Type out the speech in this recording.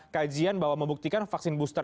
kajian bahwa membuktikan vaksin booster